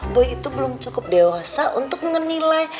boy itu belum cukup dewasa untuk menilai